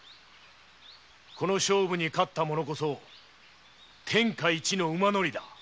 この勝負に勝った者こそ天下一の馬乗りだ。